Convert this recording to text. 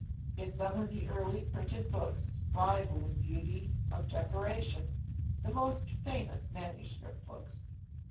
Yet some of the early printed books rival in beauty of decoration the most famous manuscript books.